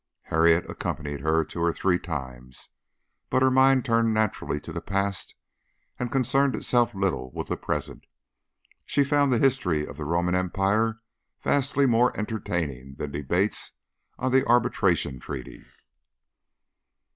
Harriet accompanied her two or three times, but her mind turned naturally to the past and concerned itself little with the present. She found the history of the Roman Empire vastly more entertaining than debates on the Arbitration Treaty.